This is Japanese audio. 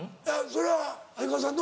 それは相川さんの？